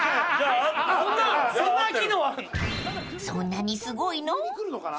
［そんなにすごいの？］